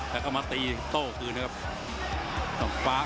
แล้วก็มาตีเต้ากลางขึ้นครับ